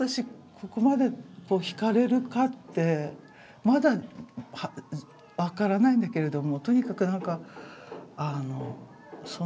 ここまで惹かれるかってまだ分からないんだけれどもとにかく何かその何て言うんだろう